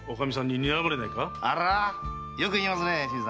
よく言いますね。